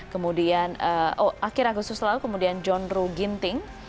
kemudian akhir agustus lalu kemudian john ruh ginting